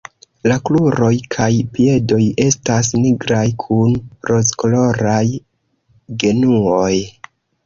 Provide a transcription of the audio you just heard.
La kruroj kaj piedoj estas nigraj kun rozkoloraj genuoj.